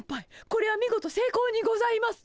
これは見事せいこうにございます！